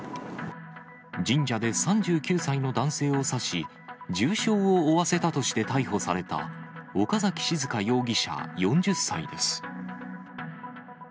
神社で３９歳の男性を刺し、重傷を負わせたとして逮捕された岡崎静佳容疑者４０歳です。